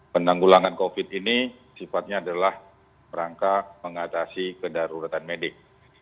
penanggulangan covid ini sifatnya adalah rangka mengatasi kedaruratan medik